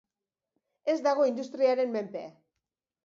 Ez dago industriaren menpe.